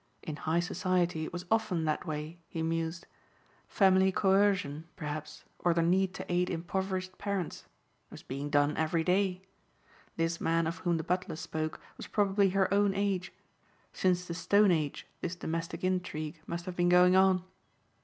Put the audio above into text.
In high society it was often that way, he mused. Family coercion, perhaps, or the need to aid impoverished parents. It was being done every day. This man of whom the butler spoke was probably her own age. Since the stone age this domestic intrigue must have been going on.